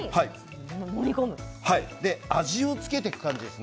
味を付けていく感じです。